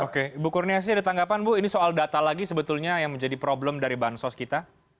oke bu kurniasi ada tanggapan bu ini soal data lagi sebetulnya yang menjadi problem dari bansos kita